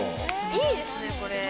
いいですね、これ。